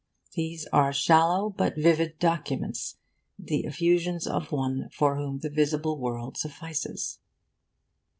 These are shallow but vivid documents the effusions of one for whom the visible world suffices.